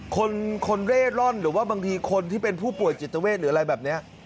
คนคนเร่ร่อนหรือว่าบางทีคนที่เป็นผู้ป่วยจิตเวทหรืออะไรแบบนี้